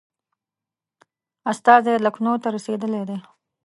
استازی لکنهو ته رسېدلی دی.